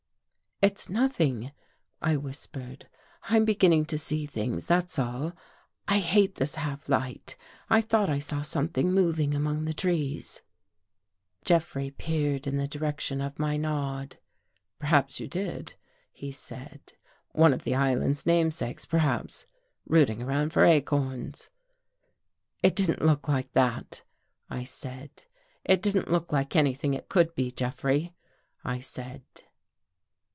" It's nothing," I whispered. " I'm beginning to see things, that's all. I hate this half light. I thought I saw something moving among the trees." 282 WHAT WE SAW IN THE CAVE Jeffrey peered in the direction of my nod. " Per haps you did," he said. " One of the island's namesakes, perhaps, rooting around for acorns." " It didn't look like that," I said. " It didn't look like anything it could be, Jeffrey," I said.